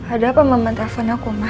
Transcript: ada apa mama telepon aku ma